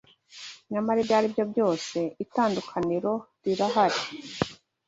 nyamara ibyo aribyo byose, itandukaniro rirahari